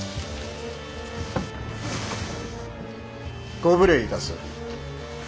ご無礼いたす。